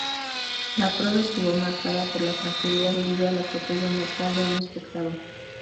La prueba estuvo marcada por la tragedia debido al atropello mortal de un espectador.